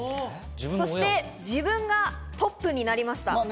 そして自分がトップになりました。